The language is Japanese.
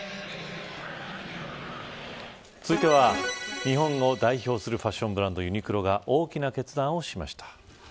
続いては日本を代表するファッションブランドユニクロが大きな決断をしました。